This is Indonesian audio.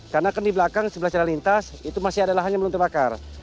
karena kan di belakang sebelah celana lintas itu masih ada lahan yang belum terbakar